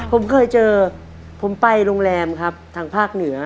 ผมเคยเจอผมไปโรงแรมครับทางภาคเหนือ